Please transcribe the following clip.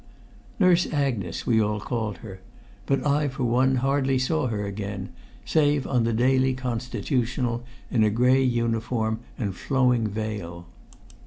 Nurse Agnes we all called her, but I for one hardly saw her again, save on the daily constitutional in grey uniform and flowing veil.